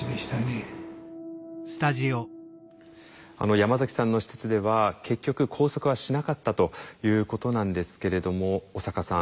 山崎さんの施設では結局拘束はしなかったということなんですけれども小坂さん